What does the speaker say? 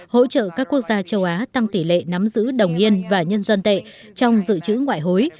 hỗ trợ các quốc gia châu á tăng tỷ lệ nắm giữ đồng yên và nhân dân tệ trong dự trữ ngoại hối